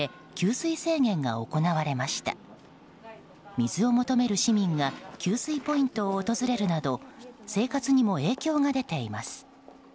水を求める市民が給水ポイントを訪れるなど生活にも影響が出ています。